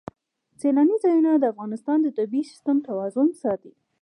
سیلانی ځایونه د افغانستان د طبعي سیسټم توازن ساتي.